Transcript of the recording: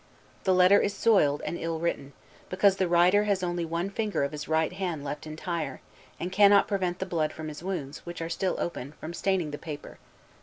The letter is soiled and ill written; because the writer has only one finger of his right hand left entire, and cannot prevent the blood from his wounds, which are still open, from staining the paper.